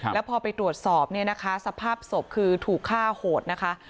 แล้วพอไปตรวจสอบเนี่ยนะคะสภาพศพคือถูกฆ่าโหดนะคะ